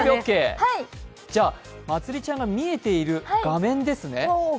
じゃあ、まつりちゃんが見えている画面ですね。